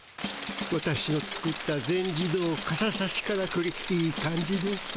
私の作った全自動かささしからくりいい感じです。